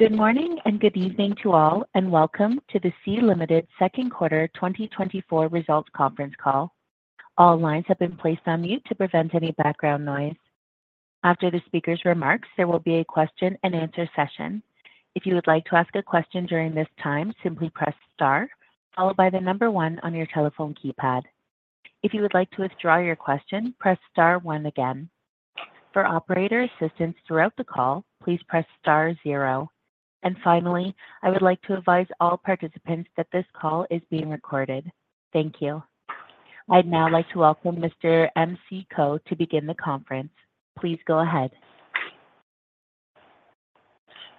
Good morning, and good evening to all, and welcome to the Sea Limited Second Quarter 2024 Results Conference Call. All lines have been placed on mute to prevent any background noise. After the speaker's remarks, there will be a question and answer session. If you would like to ask a question during this time, simply press Star, followed by the number one on your telephone keypad. If you would like to withdraw your question, press Star one again. For operator assistance throughout the call, please press Star 0. And finally, I would like to advise all participants that this call is being recorded. Thank you. I'd now like to welcome Mr. M.C. Koh to begin the conference. Please go ahead.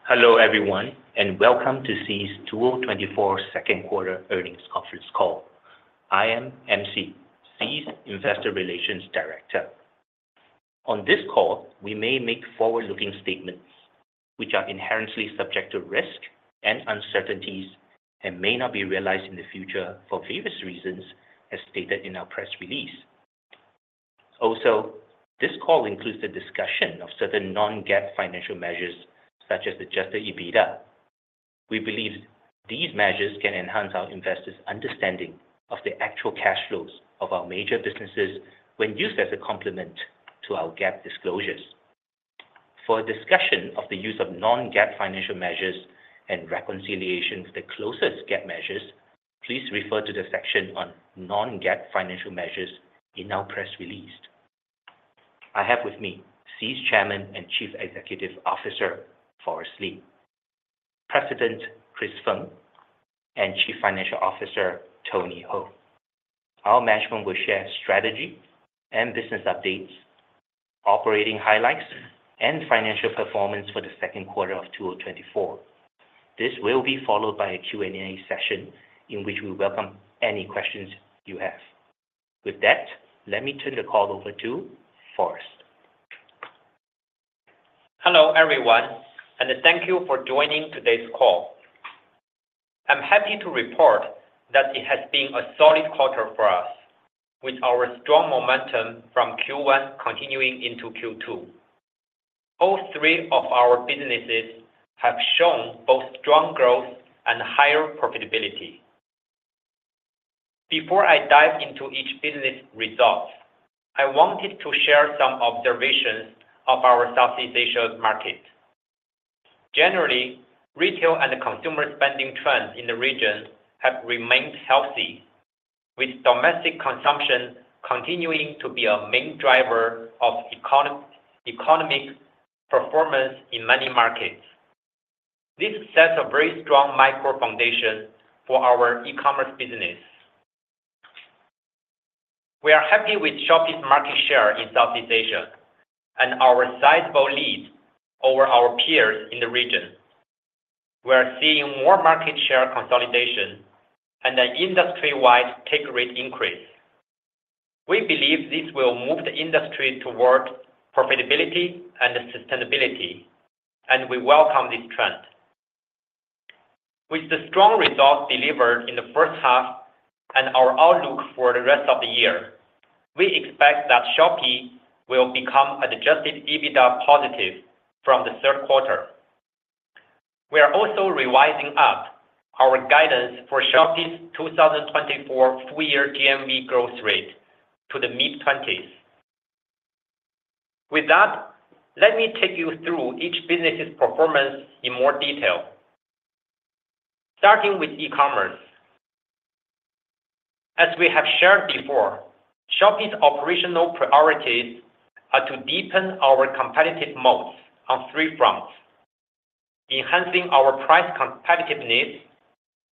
Hello, everyone, and welcome to Sea's 2024 second quarter earnings conference call. I am MC, Sea's Investor Relations Director. On this call, we may make forward-looking statements, which are inherently subject to risk and uncertainties, and may not be realized in the future for various reasons, as stated in our press release. Also, this call includes the discussion of certain non-GAAP financial measures, such as Adjusted EBITDA. We believe these measures can enhance our investors' understanding of the actual cash flows of our major businesses when used as a complement to our GAAP disclosures. For a discussion of the use of non-GAAP financial measures and reconciliation to the closest GAAP measures, please refer to the section on non-GAAP financial measures in our press release. I have with me Sea's Chairman and Chief Executive Officer, Forrest Li, President Chris Feng, and Chief Financial Officer Yanjun Hou. Our management will share strategy and business updates, operating highlights, and financial performance for the second quarter of 2024. This will be followed by a Q&A session, in which we welcome any questions you have. With that, let me turn the call over to Forrest. Hello, everyone, and thank you for joining today's call. I'm happy to report that it has been a solid quarter for us, with our strong momentum from Q1 continuing into Q2. All three of our businesses have shown both strong growth and higher profitability. Before I dive into each business results, I wanted to share some observations of our Southeast Asia's market. Generally, retail and consumer spending trends in the region have remained healthy, with domestic consumption continuing to be a main driver of economic performance in many markets. This sets a very strong macro foundation for our e-commerce business. We are happy with Shopee's market share in Southeast Asia and our sizable lead over our peers in the region. We are seeing more market share consolidation and an industry-wide take rate increase. We believe this will move the industry toward profitability and sustainability, and we welcome this trend. With the strong results delivered in the first half and our outlook for the rest of the year, we expect that Shopee will become Adjusted EBITDA positive from the third quarter. We are also revising up our guidance for Shopee's 2024 full year GMV growth rate to the mid-20s. With that, let me take you through each business's performance in more detail. Starting with e-commerce. As we have shared before, Shopee's operational priorities are to deepen our competitive moats on three fronts: enhancing our price competitiveness,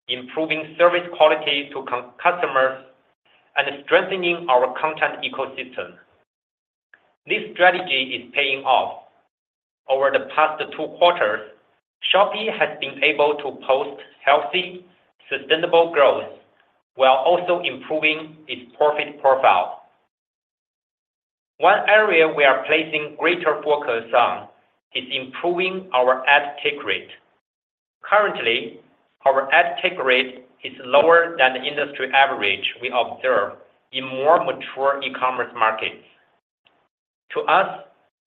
improving service quality to customers, and strengthening our content ecosystem. This strategy is paying off. Over the past two quarters, Shopee has been able to post healthy, sustainable growth while also improving its profit profile. One area we are placing greater focus on is improving our ad take rate. Currently, our ad take rate is lower than the industry average we observe in more mature e-commerce markets. To us,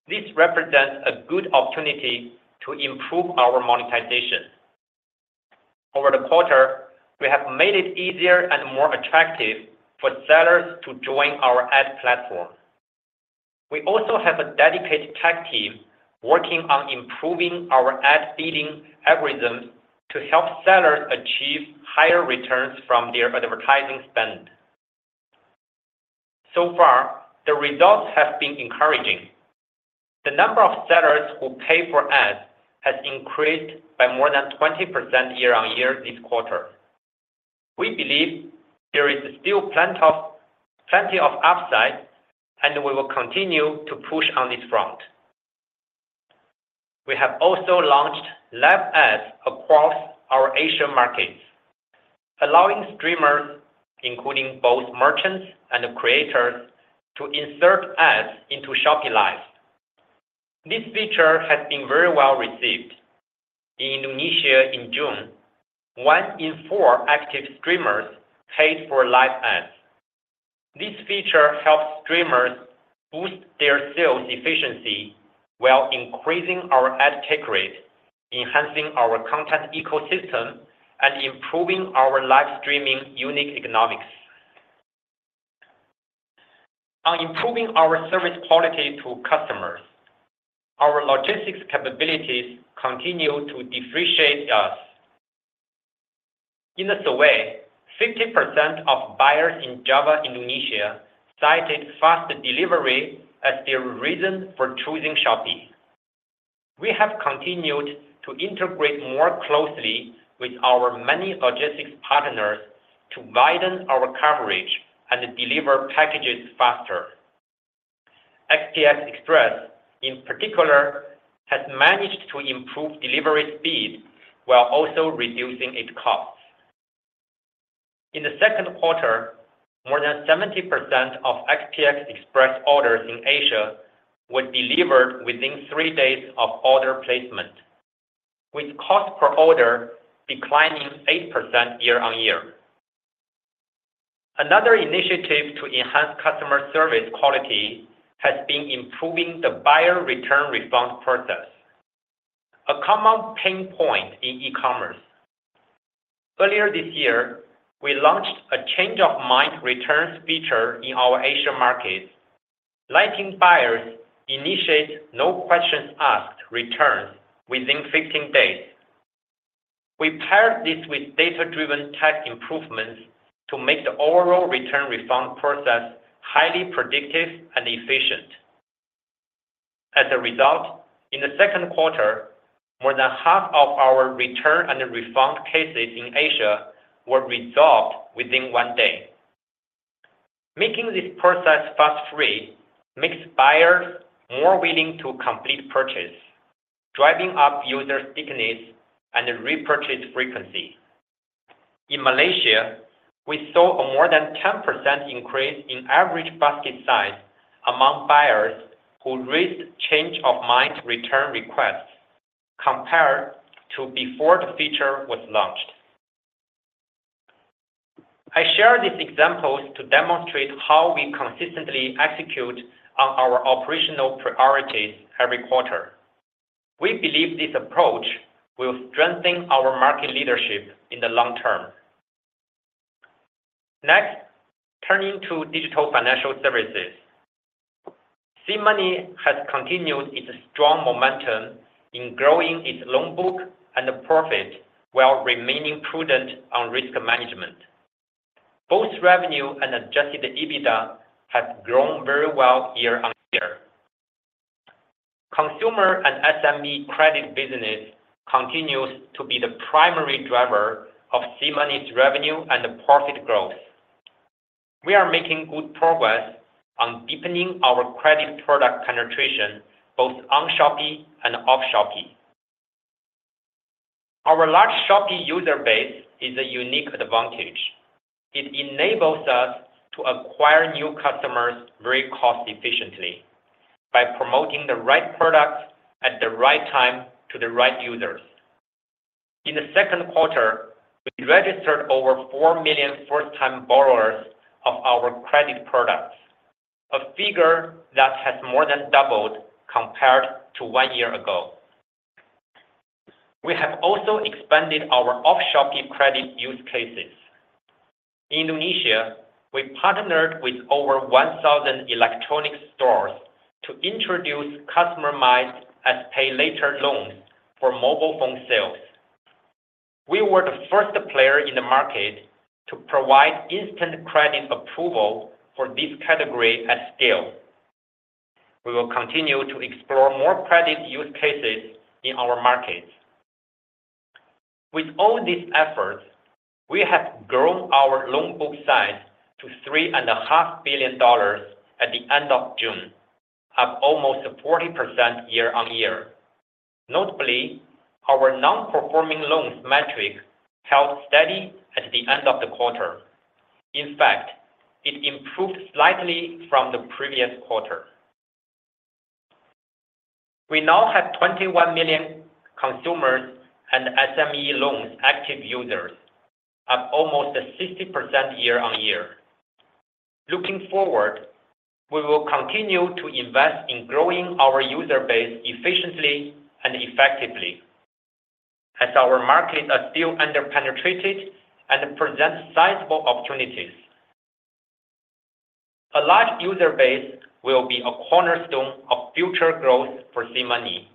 this represents a good opportunity to improve our monetization. Over the quarter, we have made it easier and more attractive for sellers to join our ad platform. We also have a dedicated tech team working on improving our ad feeding algorithms to help sellers achieve higher returns from their advertising spend. So far, the results have been encouraging. The number of sellers who pay for ads has increased by more than 20% year-on-year this quarter. We believe there is still plenty of, plenty of upside, and we will continue to push on this front. We have also launched live ads across our Asian markets, allowing streamers, including both merchants and creators, to insert ads into Shopee Live. This feature has been very well-received. In Indonesia in June, 1 in 4 active streamers paid for Live Ads... This feature helps streamers boost their sales efficiency while increasing our ad take rate, enhancing our content ecosystem, and improving our live streaming unit economics. On improving our service quality to customers, our logistics capabilities continue to differentiate us. In the survey, 50% of buyers in Java, Indonesia, cited fast delivery as their reason for choosing Shopee. We have continued to integrate more closely with our many logistics partners to widen our coverage and deliver packages faster. SPX Express, in particular, has managed to improve delivery speed while also reducing its costs. In the second quarter, more than 70% of SPX Express orders in Asia were delivered within three days of order placement, with cost per order declining 8% year-on-year. Another initiative to enhance customer service quality has been improving the buyer return refund process, a common pain point in e-commerce. Earlier this year, we launched a Change of Mind returns feature in our Asia markets, letting buyers initiate no-questions-asked returns within 15 days. We paired this with data-driven tech improvements to make the overall return refund process highly predictive and efficient. As a result, in the second quarter, more than half of our return and refund cases in Asia were resolved within one day. Making this process fuss-free makes buyers more willing to complete purchase, driving up user stickiness and repurchase frequency. In Malaysia, we saw a more than 10% increase in average basket size among buyers who raised change-of-mind return requests compared to before the feature was launched. I share these examples to demonstrate how we consistently execute on our operational priorities every quarter. We believe this approach will strengthen our market leadership in the long term. Next, turning to digital financial services. SeaMoney has continued its strong momentum in growing its loan book and profit, while remaining prudent on risk management. Both revenue and Adjusted EBITDA have grown very well year-on-year. Consumer and SMB credit business continues to be the primary driver of SeaMoney's revenue and profit growth. We are making good progress on deepening our credit product penetration, both on Shopee and off Shopee. Our large Shopee user base is a unique advantage. It enables us to acquire new customers very cost-efficiently by promoting the right products at the right time to the right users. In the second quarter, we registered over 4 million first-time borrowers of our credit products, a figure that has more than doubled compared to 1 year ago. We have also expanded our off-Shopee credit use cases. In Indonesia, we partnered with over 1,000 electronic stores to introduce customized as pay-later loans for mobile phone sales. We were the first player in the market to provide instant credit approval for this category at scale. We will continue to explore more credit use cases in our markets. With all these efforts, we have grown our loan book size to $3.5 billion at the end of June, up almost 40% year-on-year. Notably, our non-performing loans metric held steady at the end of the quarter. In fact, it improved slightly from the previous quarter. We now have 21 million consumers and SME loans active users, up almost 60% year-on-year. Looking forward, we will continue to invest in growing our user base efficiently and effectively, as our markets are still under-penetrated and present sizable opportunities. A large user base will be a cornerstone of future growth for SeaMoney,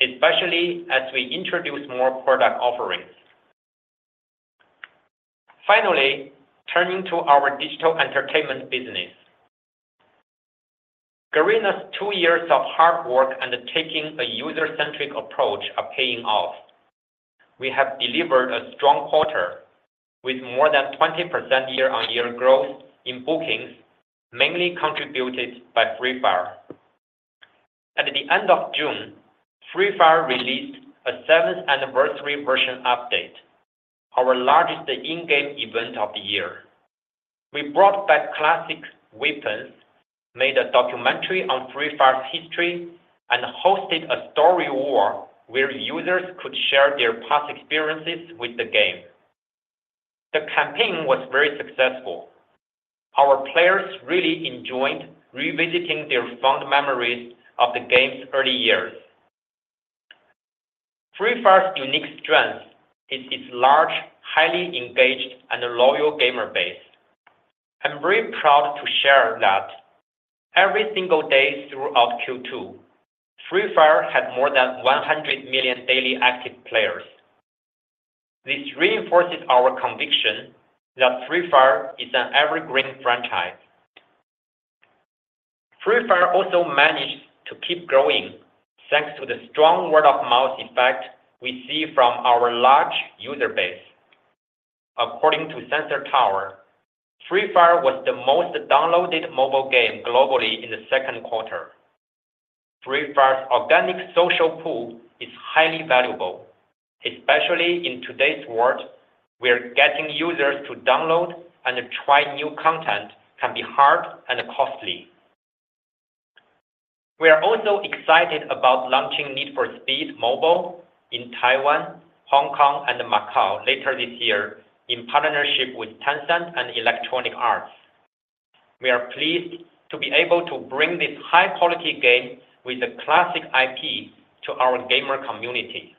especially as we introduce more product offerings. Finally, turning to our digital entertainment business. Garena's two years of hard work and taking a user-centric approach are paying off. We have delivered a strong quarter with more than 20% year-on-year growth in bookings, mainly contributed by Free Fire. At the end of June, Free Fire released a seventh anniversary version update, our largest in-game event of the year. We brought back classic weapons, made a documentary on Free Fire's history, and hosted a Story Wall where users could share their past experiences with the game. The campaign was very successful. Our players really enjoyed revisiting their fond memories of the game's early years. Free Fire's unique strength is its large, highly engaged, and loyal gamer base. I'm very proud to share that every single day throughout Q2, Free Fire had more than 100 million daily active players. This reinforces our conviction that Free Fire is an evergreen franchise. Free Fire also managed to keep growing, thanks to the strong word-of-mouth effect we see from our large user base. According to Sensor Tower, Free Fire was the most downloaded mobile game globally in the second quarter. Free Fire's organic social pull is highly valuable, especially in today's world, where getting users to download and try new content can be hard and costly. We are also excited about launching Need for Speed Mobile in Taiwan, Hong Kong, and Macau later this year in partnership with Tencent and Electronic Arts. We are pleased to be able to bring this high-quality game with a classic IP to our gamer community.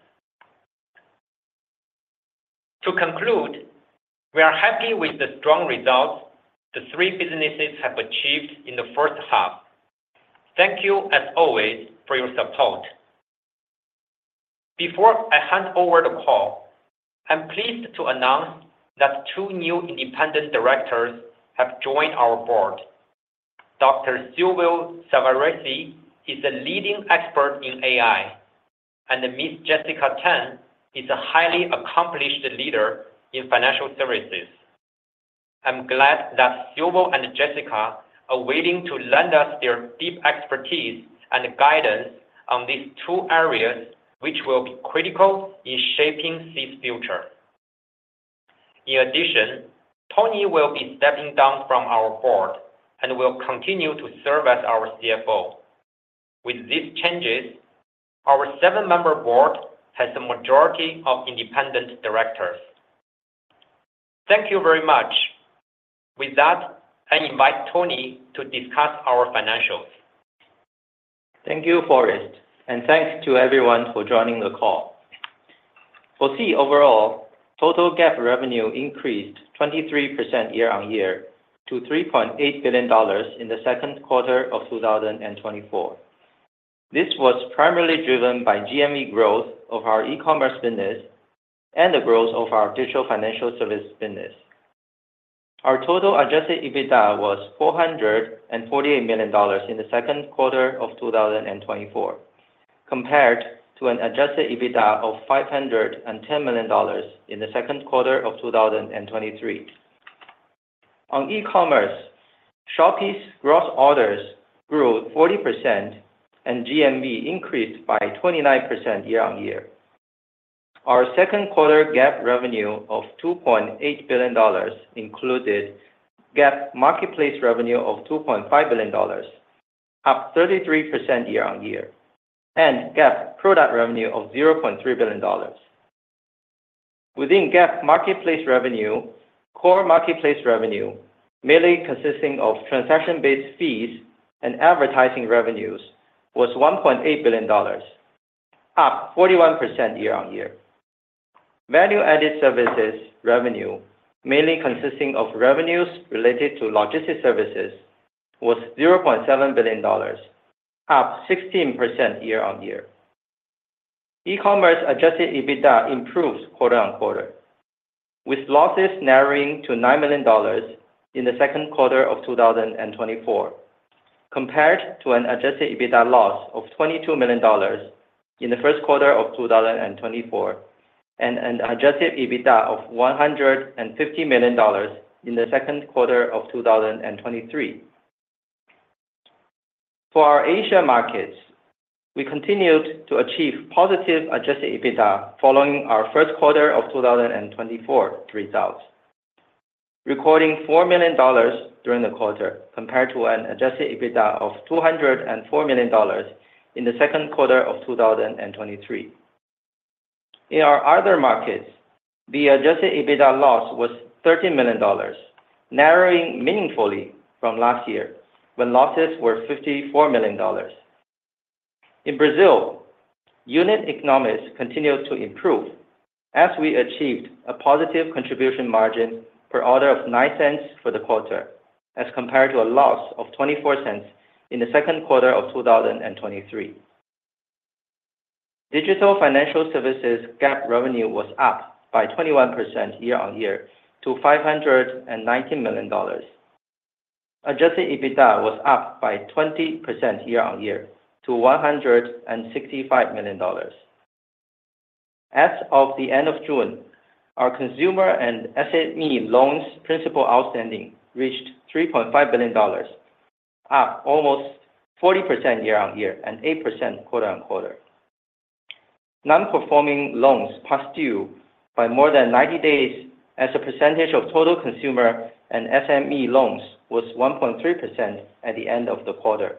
To conclude, we are happy with the strong results the three businesses have achieved in the first half. Thank you, as always, for your support. Before I hand over the call, I'm pleased to announce that two new independent directors have joined our board. Dr. Silvio Savarese is a leading expert in AI, and Ms. Jessica Tan is a highly accomplished leader in financial services. I'm glad that Silvio and Jessica are willing to lend us their deep expertise and guidance on these two areas, which will be critical in shaping Sea's future. In addition, Yanjun will be stepping down from our board and will continue to serve as our CFO. With these changes, our seven-member board has a majority of independent directors. Thank you very much. With that, I invite Tony to discuss our financials. Thank you, Forrest, and thanks to everyone for joining the call. For Sea overall, total GAAP revenue increased 23% year-on-year to $3.8 billion in the second quarter of 2024. This was primarily driven by GMV growth of our e-commerce business and the growth of our digital financial service business. Our total Adjusted EBITDA was $448 million in the second quarter of 2024, compared to an Adjusted EBITDA of $510 million in the second quarter of 2023. On e-commerce, Shopee's gross orders grew 40%, and GMV increased by 29% year-on-year. Our second quarter GAAP revenue of $2.8 billion included GAAP marketplace revenue of $2.5 billion, up 33% year-on-year, and GAAP product revenue of $0.3 billion. Within GAAP marketplace revenue, core marketplace revenue, mainly consisting of transaction-based fees and advertising revenues, was $1.8 billion, up 41% year-on-year. Value-added services revenue, mainly consisting of revenues related to logistics services, was $0.7 billion, up 16% year-on-year. E-commerce Adjusted EBITDA improved quarter on quarter, with losses narrowing to $9 million in the second quarter of 2024, compared to an Adjusted EBITDA loss of $22 million in the first quarter of 2024, and an Adjusted EBITDA of $150 million in the second quarter of 2023. For our Asia markets, we continued to achieve positive Adjusted EBITDA following our first quarter of 2024 results, recording $4 million during the quarter, compared to an Adjusted EBITDA of $204 million in the second quarter of 2023. In our other markets, the Adjusted EBITDA loss was $13 million, narrowing meaningfully from last year, when losses were $54 million. In Brazil, unit economics continued to improve as we achieved a positive contribution margin per order of $0.09 for the quarter, as compared to a loss of $0.24 in the second quarter of 2023. Digital financial services GAAP revenue was up by 21% year-on-year to $590 million. Adjusted EBITDA was up by 20% year-on-year to $165 million. As of the end of June, our consumer and SME loans principal outstanding reached $3.5 billion, up almost 40% year-on-year and 8% quarter-on-quarter. Non-performing loans past due by more than 90 days as a percentage of total consumer and SME loans was 1.3% at the end of the quarter.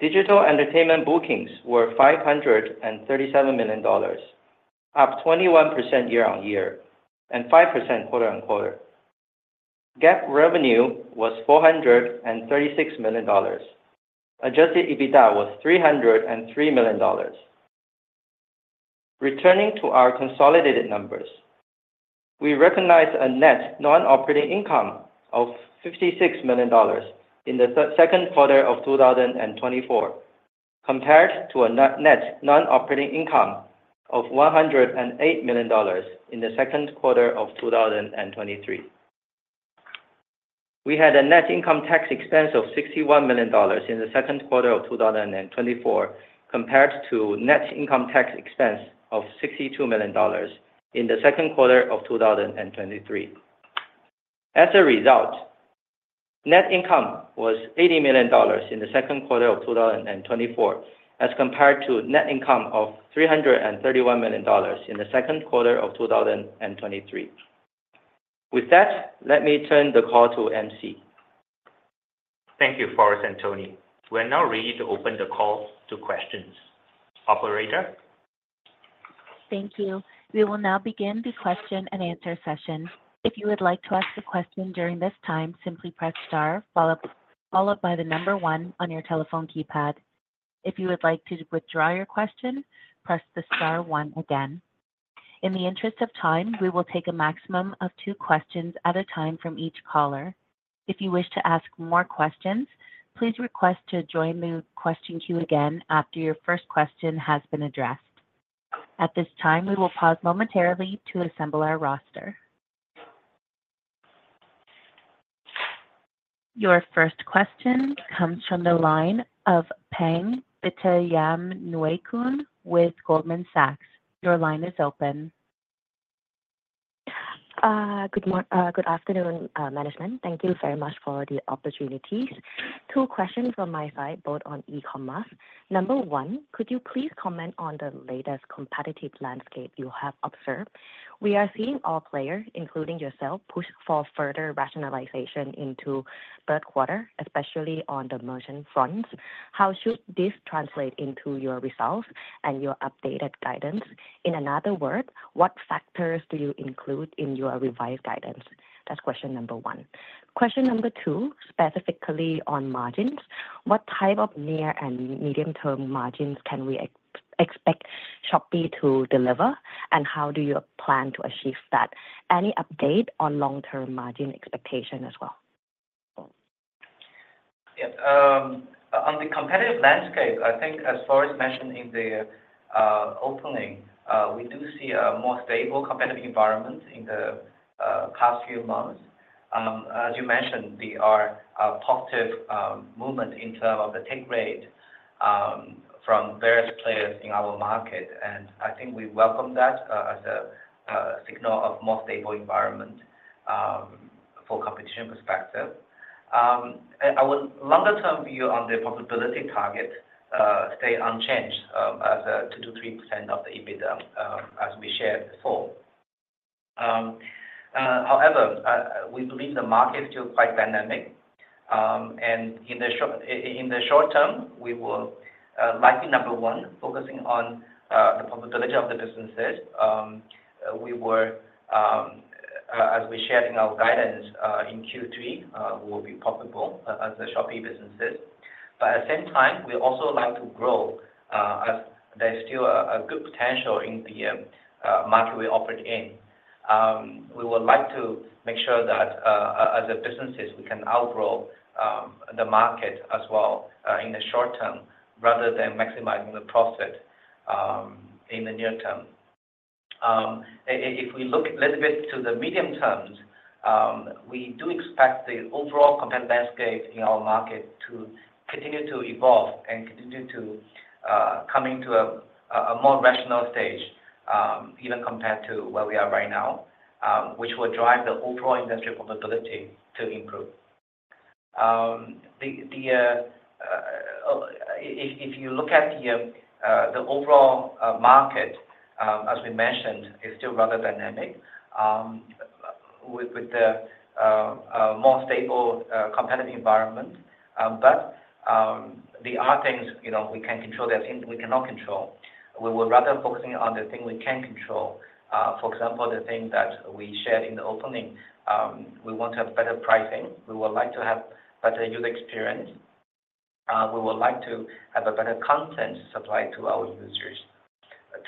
Digital entertainment bookings were $537 million, up 21% year-on-year and 5% quarter-on-quarter. GAAP revenue was $436 million. Adjusted EBITDA was $303 million. Returning to our consolidated numbers, we recognized a net non-operating income of $56 million in the third quarter of 2024, compared to a net non-operating income of $108 million in the second quarter of 2023. We had a net income tax expense of $61 million in the second quarter of 2024, compared to net income tax expense of $62 million in the second quarter of 2023. As a result, net income was $80 million in the second quarter of 2024, as compared to net income of $331 million in the second quarter of 2023. With that, let me turn the call to M.C. Thank you, Forrest and Tony. We are now ready to open the call to questions. Operator? Thank you. We will now begin the question and answer session. If you would like to ask a question during this time, simply press star, followed by the number one on your telephone keypad. If you would like to withdraw your question, press the star one again. In the interest of time, we will take a maximum of two questions at a time from each caller. If you wish to ask more questions, please request to join the question queue again after your first question has been addressed. At this time, we will pause momentarily to assemble our roster. Your first question comes from the line of Pang Vittayaamnuaykoon with Goldman Sachs. Your line is open. Good afternoon, management. Thank you very much for the opportunity. Two questions from my side, both on e-commerce. Number one, could you please comment on the latest competitive landscape you have observed? We are seeing all players, including yourself, push for further rationalization into third quarter, especially on the promotion fronts. How should this translate into your results and your updated guidance? In another word, what factors do you include in your revised guidance? That's question number one. Question number two, specifically on margins. What type of near and medium-term margins can we expect Shopee to deliver, and how do you plan to achieve that? Any update on long-term margin expectation as well? Yes. On the competitive landscape, I think as Forrest mentioned in the opening, we do see a more stable competitive environment in the past few months. As you mentioned, there are positive movement in terms of the take rate from various players in our market, and I think we welcome that as a signal of more stable environment for competition perspective. And our longer-term view on the profitability target stay unchanged as 2%-3% of the EBITDA, as we shared before. However, we believe the market is still quite dynamic. And in the short term, we will likely, number one, focusing on the profitability of the businesses. We will, as we shared in our guidance, in Q3, we will be profitable as the Shopee businesses. But at the same time, we also like to grow, as there's still a good potential in the market we operate in. We would like to make sure that, as businesses, we can outgrow the market as well, in the short term, rather than maximizing the profit in the near term. If we look a little bit to the medium terms, we do expect the overall competitive landscape in our market to continue to evolve and continue to coming to a more rational stage, even compared to where we are right now, which will drive the overall industry profitability to improve. If you look at the overall market, as we mentioned, is still rather dynamic, with the more stable competitive environment. But there are things, you know, we can control, there are things we cannot control. We would rather focusing on the things we can control. For example, the things that we shared in the opening, we want to have better pricing. We would like to have better user experience. We would like to have a better content supply to our users.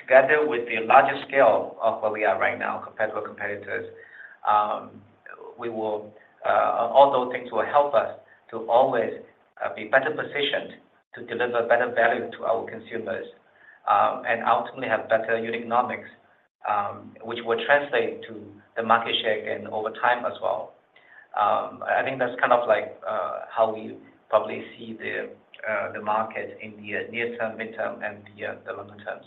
Together with the larger scale of where we are right now compared to our competitors, we will all those things will help us to always be better positioned to deliver better value to our consumers, and ultimately have better unit economics, which will translate to the market share again over time as well. I think that's kind of like how we probably see the market in the near term, midterm, and the longer terms....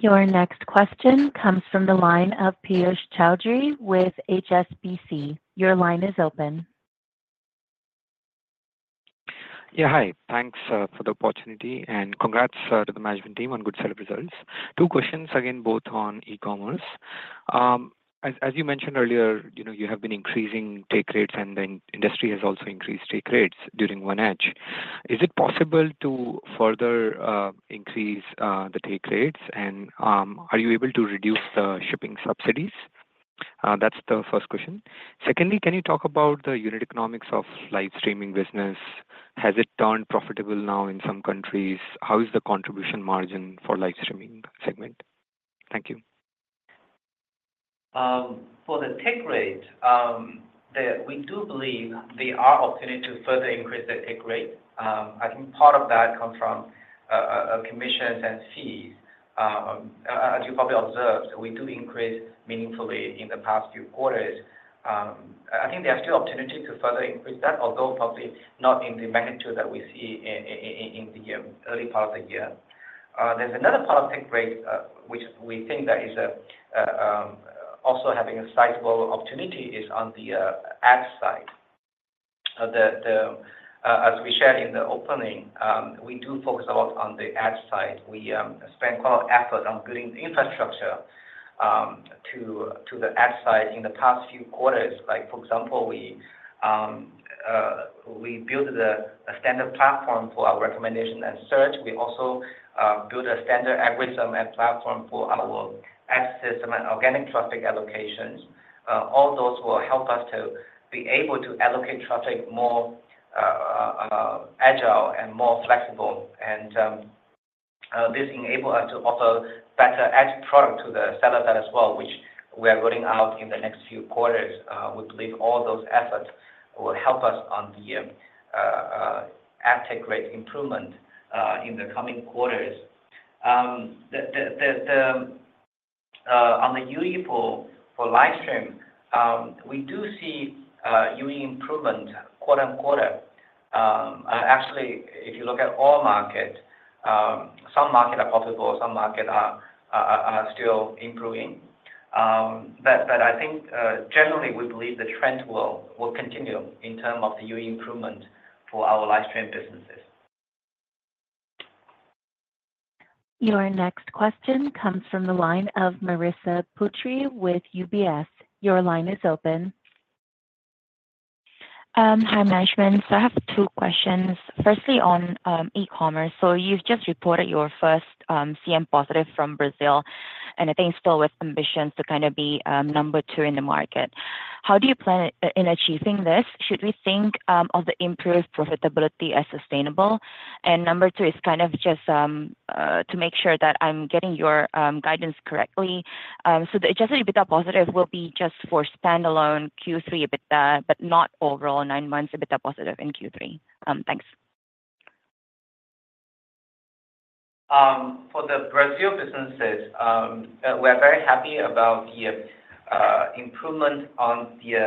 Your next question comes from the line of Piyush Choudhary with HSBC. Your line is open. Yeah. Hi. Thanks for the opportunity, and congrats to the management team on good set of results. Two questions again, both on e-commerce. As you mentioned earlier, you know, you have been increasing take rates, and the industry has also increased take rates during 1H. Is it possible to further increase the take rates, and are you able to reduce the shipping subsidies? That's the first question. Secondly, can you talk about the unit economics of live streaming business? Has it turned profitable now in some countries? How is the contribution margin for live streaming segment? Thank you. For the take rate, we do believe there are opportunity to further increase the take rate. I think part of that comes from commissions and fees. As you probably observed, we do increase meaningfully in the past few quarters. I think there are still opportunity to further increase that, although probably not in the magnitude that we see in the early part of the year. There's another part of take rate, which we think that is also having a sizable opportunity is on the ad side. As we shared in the opening, we do focus a lot on the ad side. We spend quite a lot of effort on building the infrastructure to the ad side in the past few quarters. Like, for example, we built a standard platform for our recommendation and search. We also built a standard algorithm and platform for our ad system and organic traffic allocations. All those will help us to be able to allocate traffic more agile and more flexible, and this enable us to offer better ad product to the seller side as well, which we are rolling out in the next few quarters. We believe all those efforts will help us on the ad take rate improvement in the coming quarters. On the UE front for live stream, we do see UE improvement quarter-over-quarter. Actually, if you look at all markets, some market are profitable, some market are still improving. But I think, generally, we believe the trend will continue in terms of the UE improvement for our live stream businesses. Your next question comes from the line of Marissa Putri with UBS. Your line is open. Hi, management. So I have two questions. Firstly, on e-commerce. So you've just reported your first CM positive from Brazil, and I think still with ambitions to kind of be number two in the market. How do you plan in achieving this? Should we think of the improved profitability as sustainable? And number two is kind of just to make sure that I'm getting your guidance correctly. So the Adjusted EBITDA positive will be just for standalone Q3 EBITDA, but not overall nine months EBITDA positive in Q3. Thanks. For the Brazil businesses, we're very happy about the improvement on the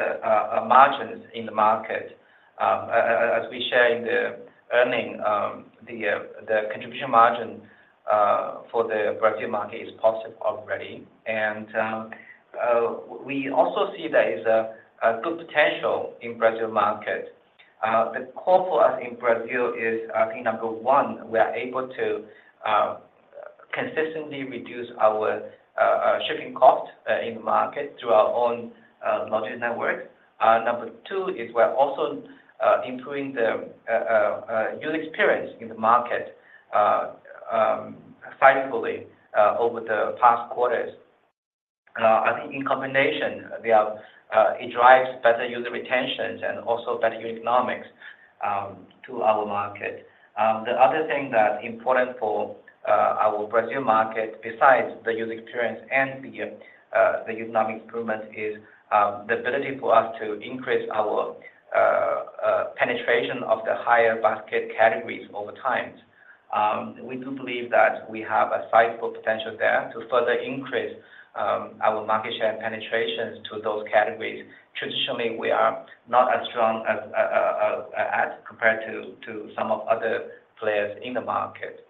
margins in the market. As we share in the earnings, the contribution margin for the Brazil market is positive already. We also see there is a good potential in Brazil market. The core for us in Brazil is, I think, number one, we are able to consistently reduce our shipping cost in the market through our own logistics network. Number two is we're also improving the user experience in the market significantly over the past quarters. I think in combination, we have it drives better user retentions and also better unit economics to our market. The other thing that's important for our Brazil market, besides the user experience and the unit economics improvements, is the ability for us to increase our penetration of the higher basket categories over time. We do believe that we have a sizable potential there to further increase our market share and penetrations to those categories. Traditionally, we are not as strong as compared to some of other players in the market.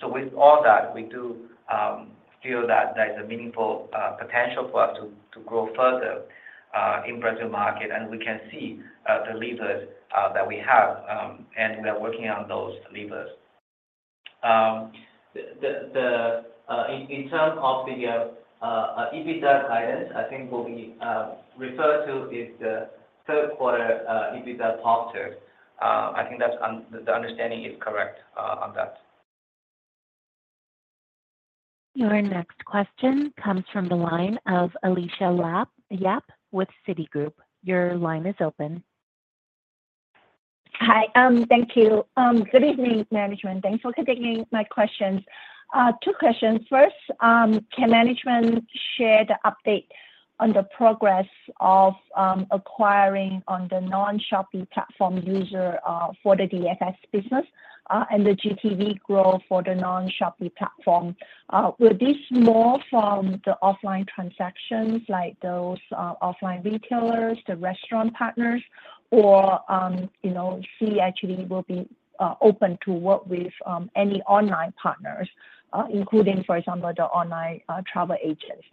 So with all that, we do feel that there's a meaningful potential for us to grow further in Brazil market, and we can see the levers that we have, and we are working on those levers. In terms of the EBITDA guidance, I think what we refer to is the third quarter EBITDA posture. I think that's the understanding is correct on that. Your next question comes from the line of Alicia Yap with Citigroup. Your line is open. Hi. Thank you. Good evening, management. Thanks for taking my questions. Two questions. First, can management share the update on the progress of, acquiring on the non-Shopee platform user, for the DFS business, and the GTV growth for the non-Shopee platform? Were this more from the offline transactions, like those, offline retailers, the restaurant partners, or, you know, Sea actually will be, open to work with, any online partners, including, for example, the online, travel agents?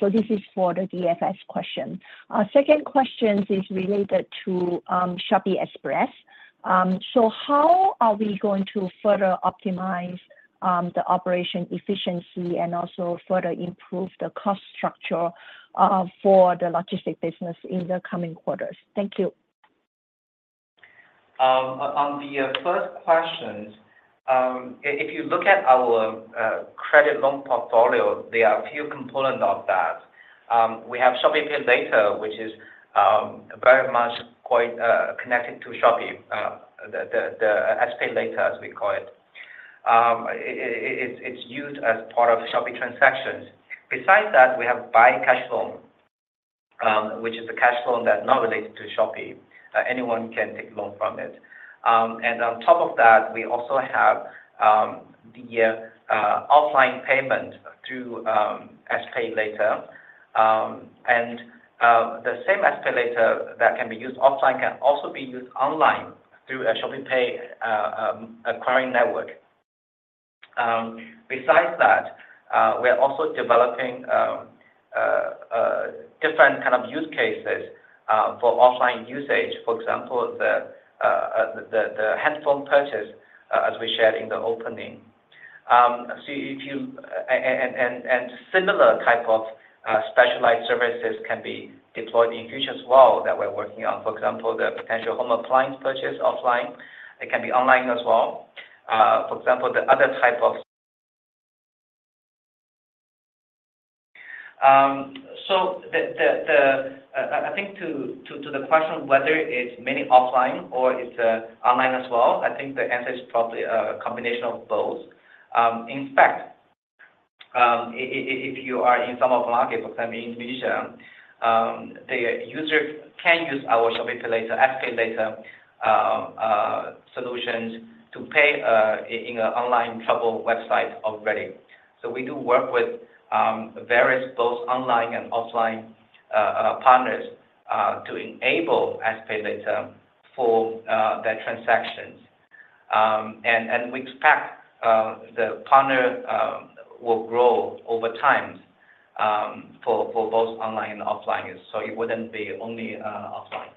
So this is for the DFS question. Second question is related to, Shopee Express.... So how are we going to further optimize the operation efficiency and also further improve the cost structure for the logistic business in the coming quarters? Thank you. On the first question, if you look at our credit loan portfolio, there are a few components of that. We have ShopeePay Later, which is very much quite connected to Shopee, the SPay Later, as we call it. It’s used as part of Shopee transactions. Besides that, we have Buy Cash Loan, which is a cash loan that’s not related to Shopee. Anyone can take loan from it. And on top of that, we also have the offline payment through SPay Later. And the same SPay Later that can be used offline can also be used online through a ShopeePay acquiring network. Besides that, we are also developing different kind of use cases for offline usage. For example, the handphone purchase, as we shared in the opening. So if you—and similar type of specialized services can be deployed in future as well that we're working on. For example, the potential home appliance purchase offline. It can be online as well. For example, the other type of. So the, I think to the question of whether it's mainly offline or it's online as well, I think the answer is probably a combination of both. In fact, if you are in some of market, for example, in Indonesia, the user can use our ShopeePay Later, SPay Later solutions to pay in an online travel website already. So we do work with various both online and offline partners to enable SPay Later for their transactions. We expect the partner will grow over time for both online and offline users, so it wouldn't be only offline.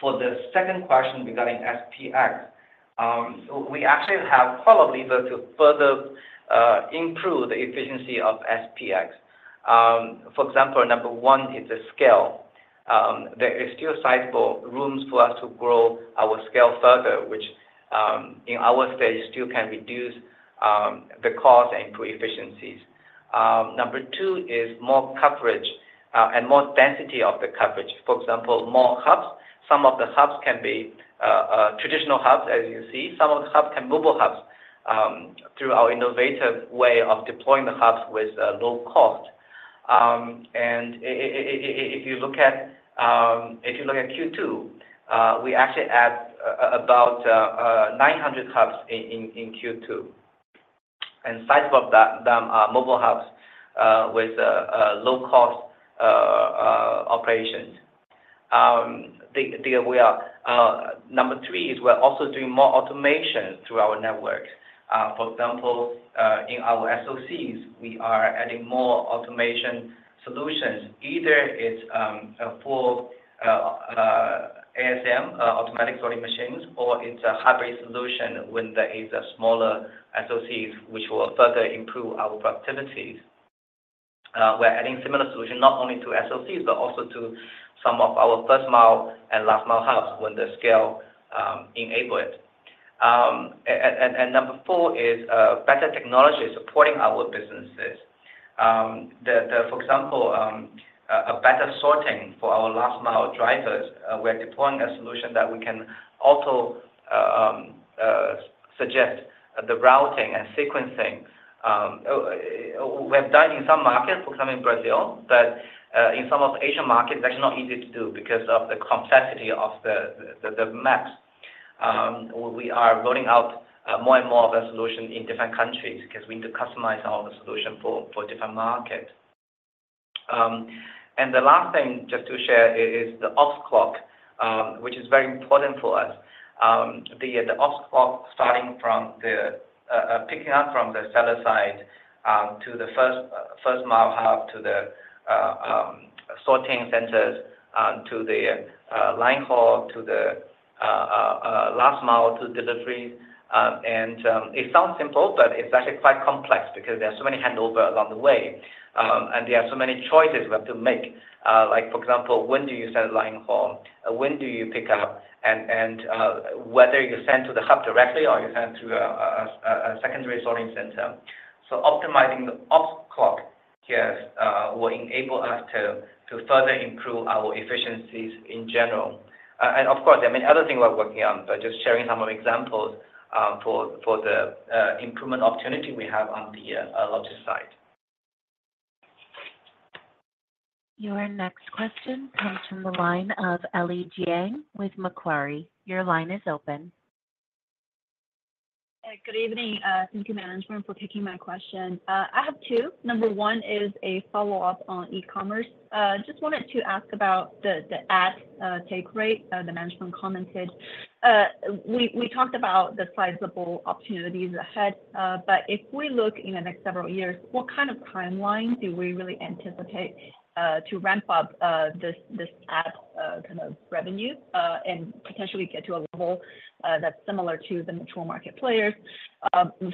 For the second question regarding SPX, we actually have quite a lever to further improve the efficiency of SPX. For example, number one is the scale. There is still sizable rooms for us to grow our scale further, which in our stage still can reduce the cost and improve efficiencies. Number two is more coverage and more density of the coverage. For example, more hubs. Some of the hubs can be traditional hubs, as you see. Some of the hubs can be mobile hubs through our innovative way of deploying the hubs with low cost. If you look at Q2, we actually add about 900 hubs in Q2, and sizable of them are mobile hubs with a low-cost operations. Number three is we're also doing more automation through our network. For example, in our SOCs, we are adding more automation solutions. Either it's a full ASM, automatic sorting machines, or it's a hybrid solution when there is a smaller SOC, which will further improve our productivities. We're adding similar solution not only to SOCs, but also to some of our first-mile and last-mile hubs when the scale enable it. And number four is better technology supporting our businesses. For example, a better sorting for our last-mile drivers. We're deploying a solution that we can also suggest the routing and sequencing. We've done in some markets, for example, in Brazil, but in some of Asian markets, that's not easy to do because of the complexity of the maps. We are rolling out more and more of a solution in different countries because we need to customize our solution for different markets. And the last thing just to share is the ops clock, which is very important for us. The ops clock, starting from picking up from the seller side, to the first-mile hub, to the sorting centers, to the line haul, to the last mile to delivery. And it sounds simple, but it's actually quite complex because there are so many handovers along the way. And there are so many choices we have to make. Like, for example, when do you send line haul? When do you pick up? And whether you send to the hub directly or you send to a secondary sorting center. So optimizing the ops clock here will enable us to further improve our efficiencies in general. Of course, there are many other things we're working on, but just sharing some of examples for the improvement opportunity we have on the logistics side. Your next question comes from the line of Ellie Jiang with Macquarie. Your line is open. ... Ah, good evening, thank you management for taking my question. I have two. Number one is a follow-up on e-commerce. Just wanted to ask about the ad take rate the management commented. We talked about the sizable opportunities ahead, but if we look in the next several years, what kind of timeline do we really anticipate to ramp up this ad kind of revenue and potentially get to a level that's similar to the mature market players?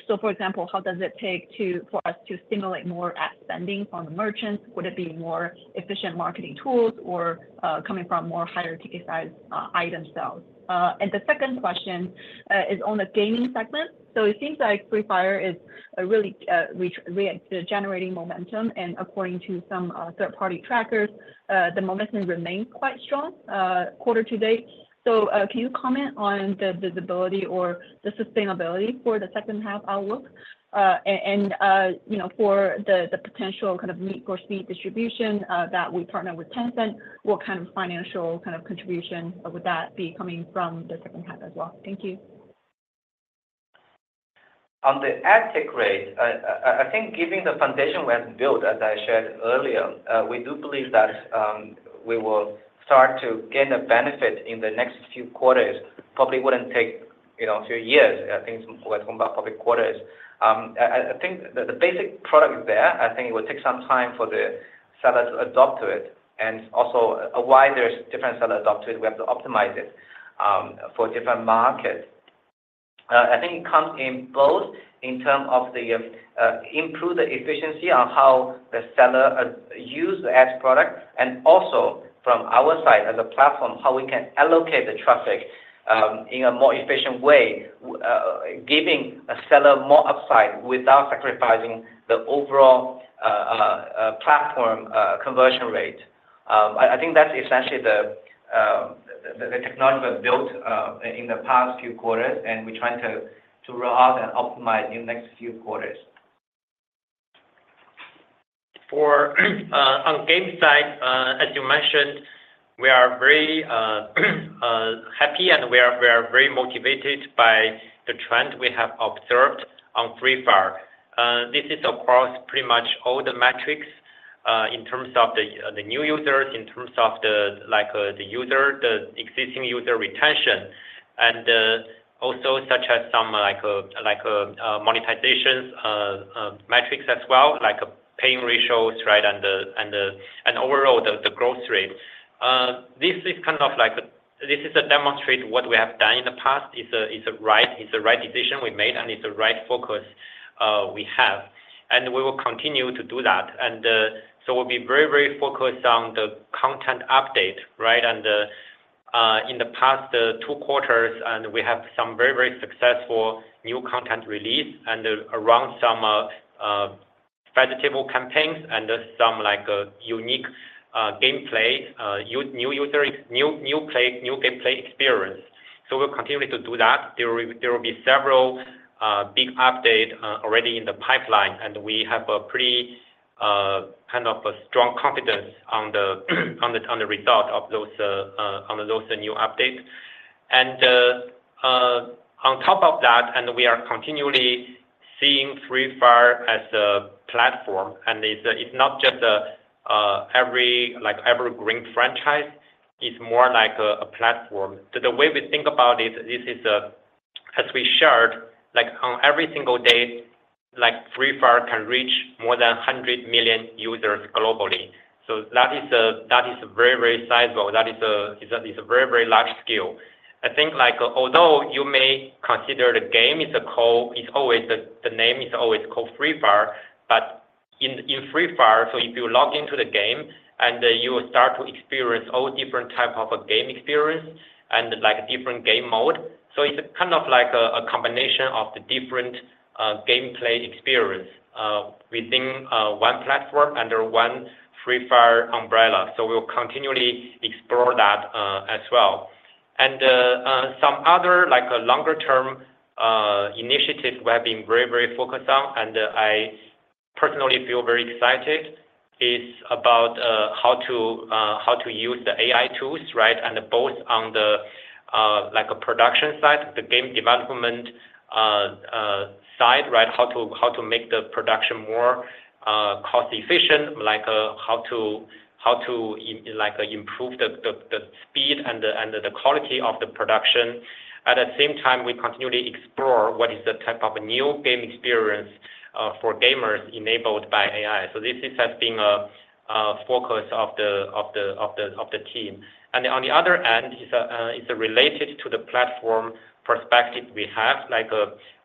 So for example, how long does it take for us to stimulate more ad spending from the merchants? Would it be more efficient marketing tools or coming from more higher ticket size item sales? And the second question is on the gaming segment. So it seems like Free Fire is really generating momentum, and according to some third-party trackers, the momentum remains quite strong quarter to date. So can you comment on the visibility or the sustainability for the second half outlook? And you know, for the potential kind of marketplace feed distribution that we partner with Tencent, what kind of financial contribution would that be coming from the second half as well? Thank you. On the ad tech rate, I think given the foundation we have built, as I shared earlier, we do believe that we will start to gain a benefit in the next few quarters. Probably wouldn't take, you know, a few years. I think we're talking about probably quarters. I think the basic product is there. I think it will take some time for the seller to adapt to it, and also a wider different seller adopt to it. We have to optimize it for different markets. I think it comes in both in term of the improve the efficiency on how the seller use the ads product, and also from our side as a platform, how we can allocate the traffic in a more efficient way, giving a seller more upside without sacrificing the overall platform conversion rate. I, I think that's essentially the technology was built in the past few quarters, and we're trying to to roll out and optimize in next few quarters. For on game side, as you mentioned, we are very happy and we are, we are very motivated by the trend we have observed on Free Fire. This is across pretty much all the metrics, in terms of the, the new users, in terms of the, like, the user, the existing user retention, and, also such as some like, like, monetization, metrics as well, like paying ratios, right, and the, and the-- and overall the, the growth rate. This is kind of like a-- this is to demonstrate what we have done in the past. It's a, it's a right, it's a right decision we made, and it's a right focus, we have. And we will continue to do that. And, so we'll be very, very focused on the content update, right? In the past two quarters and we have some very, very successful new content release and around some festival campaigns and some like unique gameplay new user new play new gameplay experience. So we'll continue to do that. There will, there will be several big update already in the pipeline, and we have a pretty kind of a strong confidence on the, on the, on the result of those on those new updates. On top of that, and we are continually seeing Free Fire as a platform, and it's, it's not just a every like evergreen franchise, it's more like a a platform. So the way we think about it, this is a... As we shared, like on every single day, like Free Fire can reach more than 100 million users globally. So that is very, very sizable. That is a very, very large scale. I think, like, although you may consider the game, it's called, it's always the name is always called Free Fire, but in Free Fire, so if you log into the game and you start to experience all different type of a game experience and like different game mode, so it's kind of like a combination of the different gameplay experience within one platform under one Free Fire umbrella. So we'll continually explore that, as well. Some other like longer term initiatives we have been very, very focused on, and I personally feel very excited is about how to use the AI tools, right? And both on the like a production side, the game development side, right? How to make the production more cost efficient, like how to improve the speed and the quality of the production. At the same time, we continually explore what is the type of new game experience for gamers enabled by AI. So this is as being a focus of the team. And on the other end is related to the platform perspective we have. Like,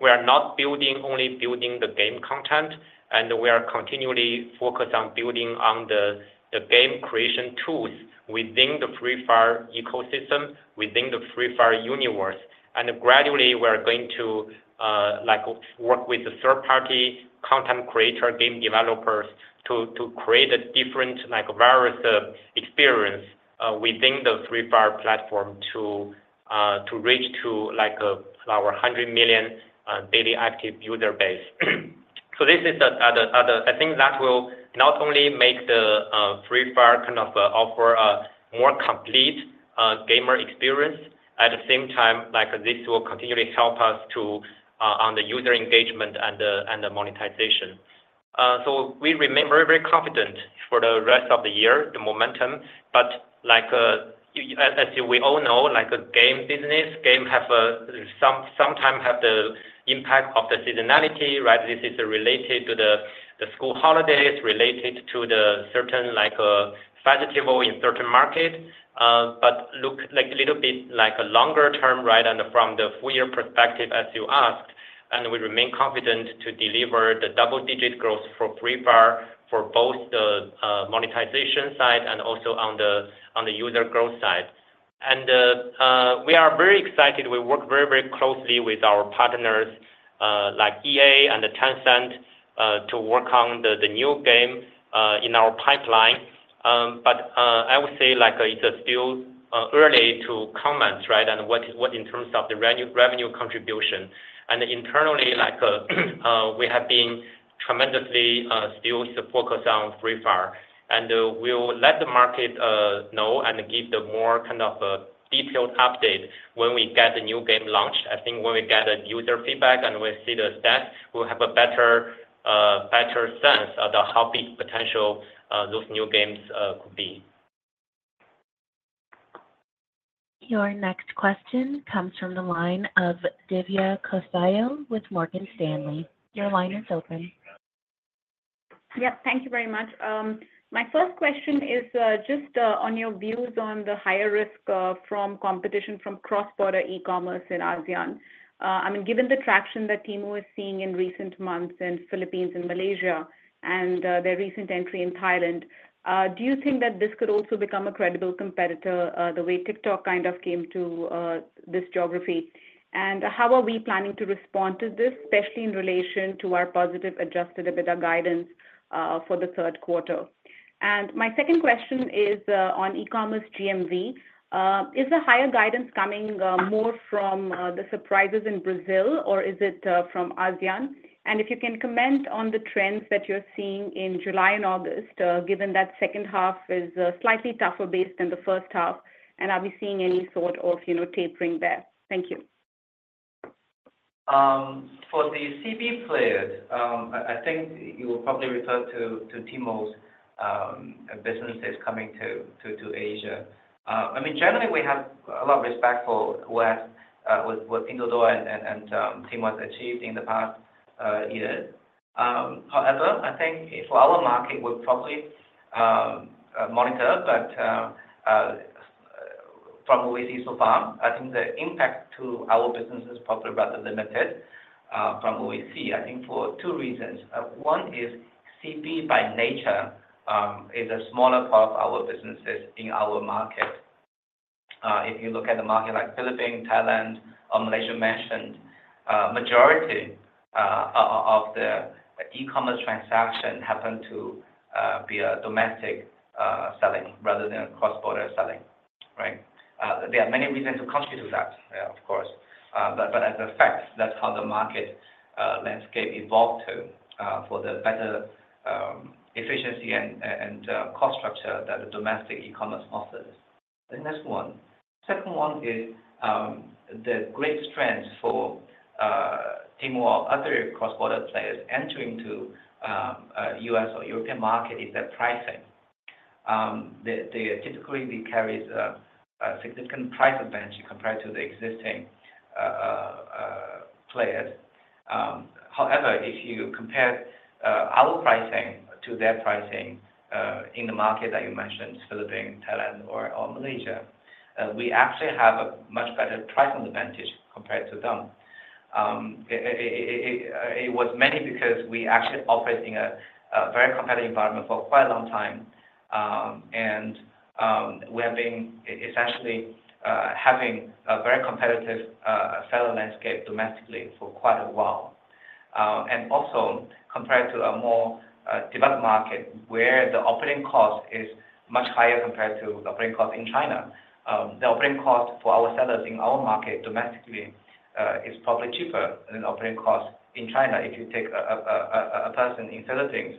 we are not building, only building the game content, and we are continually focused on building on the game creation tools within the Free Fire ecosystem, within the Free Fire universe. And gradually, we are going to, like work with the third-party content creator, game developers to create a different, like various, experience within the Free Fire platform to reach to, like, our 100 million daily active user base. So this is the... I think that will not only make the Free Fire kind of offer a more complete,... gamer experience. At the same time, like, this will continually help us to, on the user engagement and the, and the monetization. So we remain very, very confident for the rest of the year, the momentum. But like, as, as we all know, like, game business, game have, sometime have the impact of the seasonality, right? This is related to the, the school holidays, related to the certain, like, festival in certain market. But look like a little bit like a longer term, right? And from the full year perspective, as you asked, and we remain confident to deliver the double-digit growth for Free Fire for both the, monetization side and also on the, on the user growth side. And, we are very excited. We work very, very closely with our partners, like EA and the Tencent, to work on the new game in our pipeline. But I would say, like, it's still early to comment, right? On what in terms of the revenue-revenue contribution. And internally, like, we have been tremendously still focused on Free Fire, and we'll let the market know and give the more kind of detailed update when we get the new game launched. I think when we get the user feedback and we see the stats, we'll have a better sense of the how big potential those new games could be. Your next question comes from the line of Divya Kothiyal with Morgan Stanley. Your line is open. Yep. Thank you very much. My first question is just on your views on the higher risk from competition from cross-border e-commerce in ASEAN. I mean, given the traction that Temu is seeing in recent months in Philippines and Malaysia and their recent entry in Thailand, do you think that this could also become a credible competitor the way TikTok kind of came to this geography? And how are we planning to respond to this, especially in relation to our positive Adjusted EBITDA guidance for the third quarter? And my second question is on e-commerce GMV. Is the higher guidance coming more from the surprises in Brazil, or is it from ASEAN? If you can comment on the trends that you're seeing in July and August, given that second half is slightly tougher based than the first half, and are we seeing any sort of, you know, tapering there? Thank you. For the CB players, I think you will probably refer to Temu's businesses coming to Asia. I mean, generally, we have a lot of respect for what Pinduoduo and Temu has achieved in the past years. However, I think for our market, we'll probably monitor, but from what we see so far, I think the impact to our business is probably rather limited, from what we see, I think for two reasons. One is CB, by nature, is a smaller part of our businesses in our market. If you look at the market like Philippines, Thailand, or Malaysia mentioned, majority of the e-commerce transaction happen to be a domestic selling rather than cross-border selling, right? There are many reasons to contribute to that, of course, but as a fact, that's how the market landscape evolved to for the better efficiency and cost structure that the domestic e-commerce offers. The next one, second one is the great strength for Temu or other cross-border players entering to U.S. or European market is the pricing. They typically they carries a significant price advantage compared to the existing players. However, if you compare our pricing to their pricing in the market that you mentioned, Philippines, Thailand, or Malaysia, we actually have a much better pricing advantage compared to them. It was mainly because we actually operate in a very competitive environment for quite a long time, and we have been essentially having a very competitive seller landscape domestically for quite a while. And also compared to a more developed market, where the operating cost is much higher compared to the operating cost in China, the operating cost for our sellers in our market domestically is probably cheaper than operating costs in China. If you take a person in the Philippines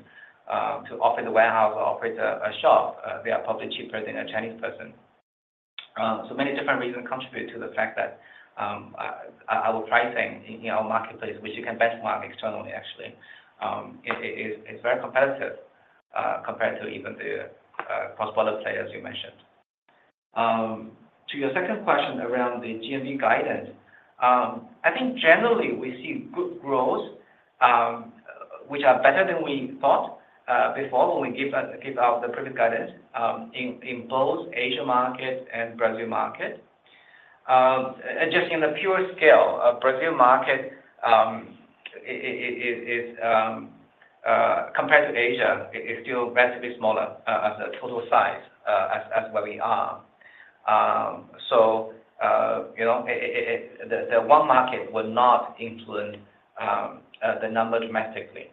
to operate the warehouse or operate a shop, they are probably cheaper than a Chinese person. So many different reasons contribute to the fact that our pricing in our marketplace, which you can benchmark externally actually, it's very competitive compared to even the cross-border players you mentioned. To your second question around the GMV guidance, I think generally we see good growth, which are better than we thought before when we give out the previous guidance in both Asia market and Brazil market. Just in the pure scale of Brazil market, it's compared to Asia, it is still relatively smaller as a total size as where we are. So, you know, it... The one market will not influence the number dramatically.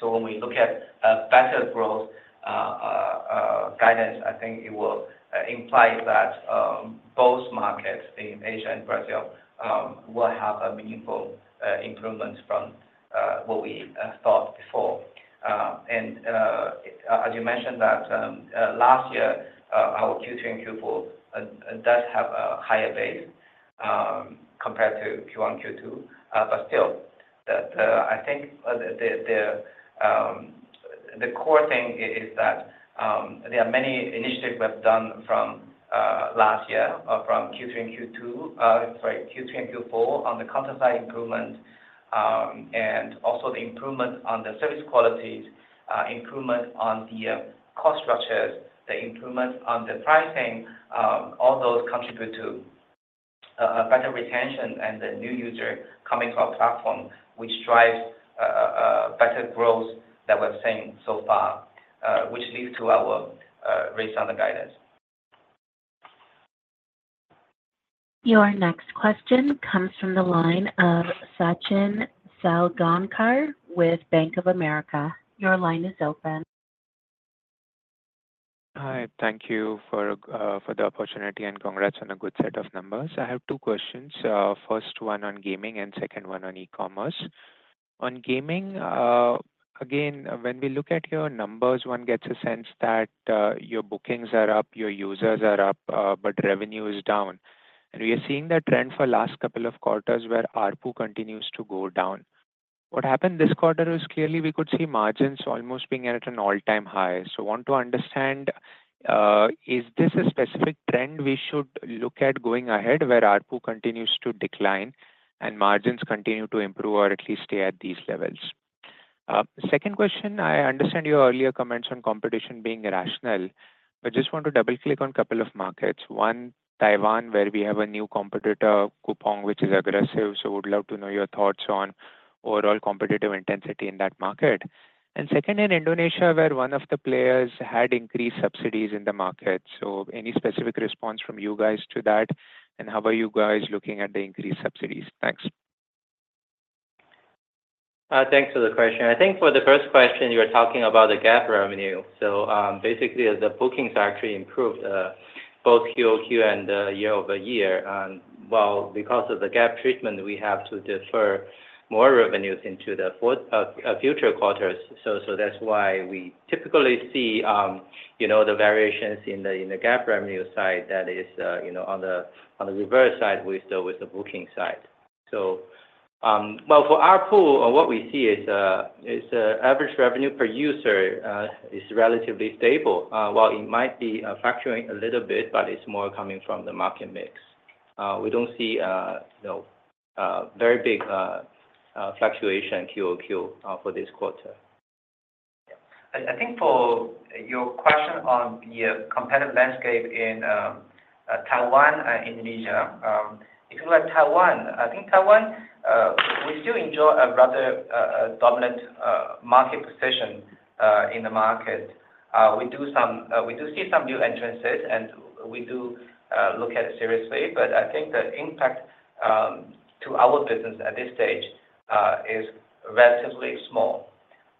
So when we look at better growth guidance, I think it will imply that both markets in Asia and Brazil will have a meaningful improvement from what we thought before. And as you mentioned that last year our Q3 and Q4 does have a higher base compared to Q1, Q2. But still, I think the core thing is that there are many initiatives we have done from last year, from Q3 and Q2, sorry, Q3 and Q4, on the customer side improvement, and also the improvement on the service qualities, improvement on the cost structures, the improvement on the pricing, all those contribute to better retention and the new user coming to our platform, which drives better growth that we're seeing so far, which leads to our raise on the guidance. Your next question comes from the line of Sachin Salgaonkar with Bank of America. Your line is open. Hi, thank you for the opportunity, and congrats on a good set of numbers. I have two questions. First one on gaming and second one on e-commerce. On gaming, again, when we look at your numbers, one gets a sense that your bookings are up, your users are up, but revenue is down. We are seeing that trend for last couple of quarters where ARPU continues to go down. What happened this quarter is clearly we could see margins almost being at an all-time high. So want to understand, is this a specific trend we should look at going ahead, where ARPU continues to decline and margins continue to improve or at least stay at these levels? Second question, I understand your earlier comments on competition being irrational, but just want to double-click on a couple of markets. One, Taiwan, where we have a new competitor, Coupang, which is aggressive, so would love to know your thoughts on overall competitive intensity in that market. Second, in Indonesia, where one of the players had increased subsidies in the market. Any specific response from you guys to that, and how are you guys looking at the increased subsidies? Thanks. Thanks for the question. I think for the first question, you were talking about the GAAP revenue. So, basically, the bookings actually improved both QOQ and year-over-year. And while because of the GAAP treatment, we have to defer more revenues into the fourth, future quarters. So that's why we typically see you know, the variations in the GAAP revenue side that is you know, on the reverse side, we saw with the booking side. So, well, for ARPU, what we see is average revenue per user is relatively stable. While it might be fluctuating a little bit, but it's more coming from the market mix. We don't see you know, very big fluctuation QOQ for this quarter. I think for your question on the competitive landscape in Taiwan and Indonesia, if you look at Taiwan, I think Taiwan we still enjoy a rather dominant market position in the market. We do see some new entrants, and we do look at it seriously, but I think the impact to our business at this stage is relatively small.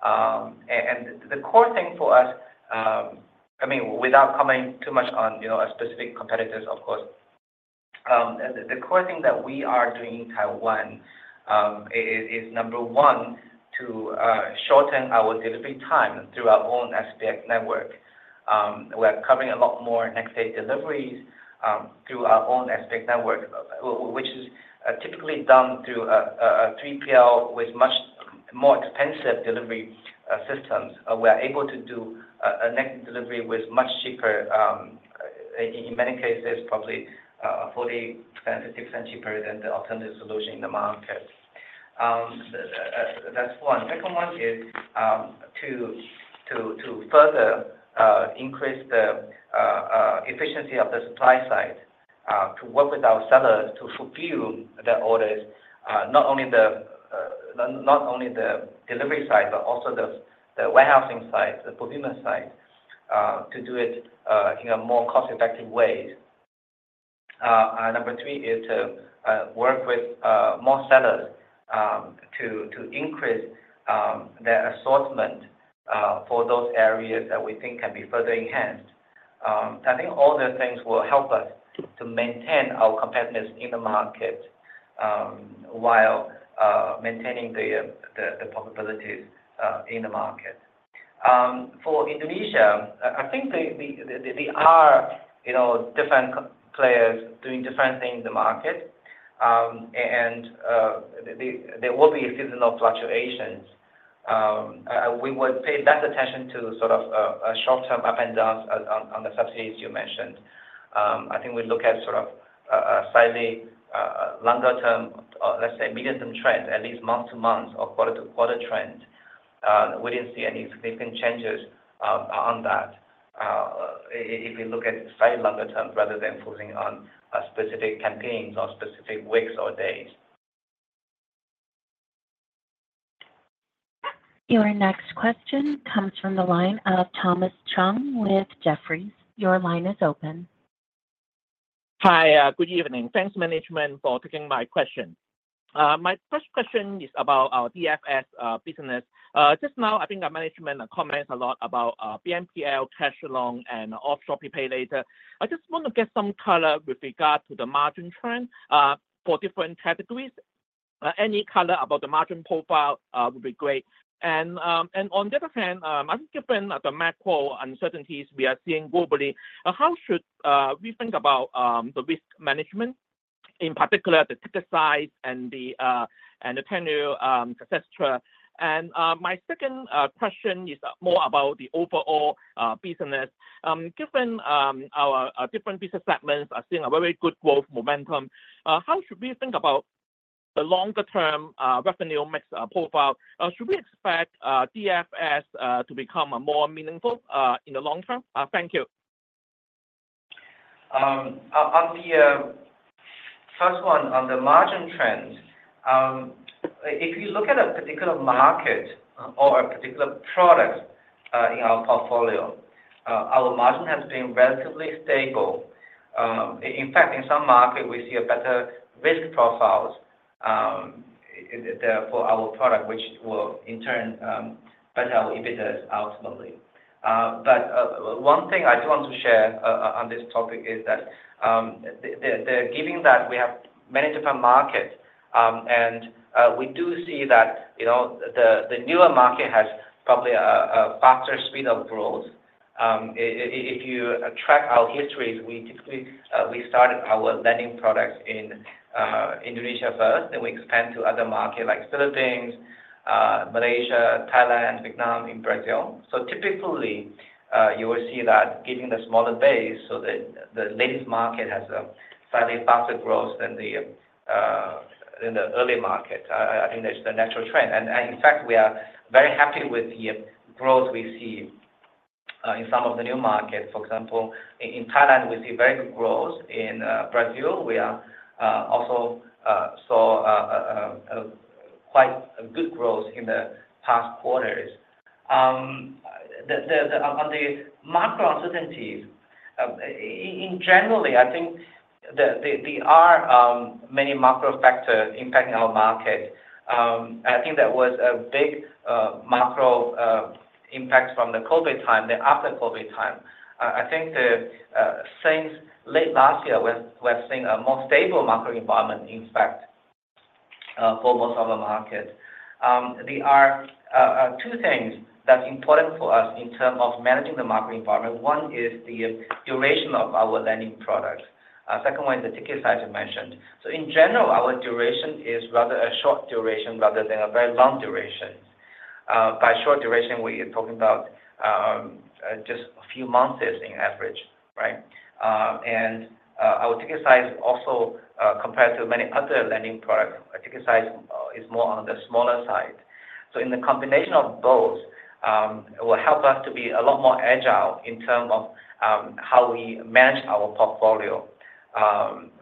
And the core thing for us, I mean, without commenting too much on, you know, specific competitors, of course, the core thing that we are doing in Taiwan is number one, to shorten our delivery time through our own SPX network. We're covering a lot more next day deliveries through our own SPX network, which is typically done through a 3PL with much more expensive delivery systems. We are able to do a next delivery with much cheaper, in many cases, probably 40%-50% cheaper than the alternative solution in the market. That's one. Second one is to further increase the efficiency of the supply side to work with our sellers to fulfill their orders, not only the delivery side, but also the warehousing side, the fulfillment side to do it in a more cost-effective way. And number three is to work with more sellers to increase their assortment for those areas that we think can be further enhanced. I think all the things will help us to maintain our competitiveness in the market while maintaining the profitability in the market. For Indonesia, I think there are, you know, different players doing different things in the market, and there will be seasonal fluctuations. We would pay less attention to sort of a short-term ups and downs on the subsidies you mentioned. I think we look at sort of a slightly longer term, or let's say, medium-term trend, at least month-to-month or quarter-to-quarter trend. We didn't see any significant changes on that. If we look at slightly longer term, rather than focusing on specific campaigns or specific weeks or days. Your next question comes from the line of Thomas Chong with Jefferies. Your line is open. Hi, good evening. Thanks, management, for taking my question. My first question is about our DFS business. Just now, I think our management comments a lot about BNPL, cash loans, and our Shopee PayLater. I just want to get some color with regard to the margin trend for different categories. Any color about the margin profile would be great. And on the other hand, I think given the macro uncertainties we are seeing globally, how should we think about the risk management, in particular the ticket size and the tenure, et cetera? And my second question is more about the overall business. Given our different business segments are seeing a very good growth momentum, how should we think about the longer-term revenue mix profile? Should we expect DFS to become more meaningful in the long term? Thank you. On the first one, on the margin trends, if you look at a particular market or a particular product in our portfolio, our margin has been relatively stable. In fact, in some market we see a better risk profiles, therefore our product, which will in turn better our EBITDA ultimately. But one thing I do want to share on this topic is that given that we have many different markets, and we do see that, you know, the newer market has probably a faster speed of growth. If you track our history, we typically started our lending products in Indonesia first, then we expand to other market like Philippines, Malaysia, Thailand, Vietnam, and Brazil. So typically, you will see that giving the smaller base, so the latest market has a slightly faster growth than the early market. I think that's the natural trend. And in fact, we are very happy with the growth we see in some of the new markets. For example, in Thailand, we see very good growth. In Brazil, we also saw quite a good growth in the past quarters. On the macro uncertainties, in general, I think there are many macro factors impacting our market. I think there was a big macro impact from the COVID time, the after-COVID time. I think since late last year, we're seeing a more stable macro environment, in fact, for most of the markets. There are two things that's important for us in terms of managing the macro environment. One is the duration of our lending product. Second one is the ticket size I mentioned. So in general, our duration is rather a short duration rather than a very long duration. By short duration, we are talking about just a few months in average, right? And our ticket size also, compared to many other lending products, our ticket size is more on the smaller side. So in the combination of those, it will help us to be a lot more agile in term of how we manage our portfolio.